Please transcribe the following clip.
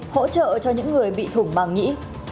hỗ trợ cho những người bị thủng màng nghĩ